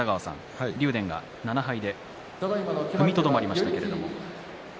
竜電が７敗で踏みとどまりました。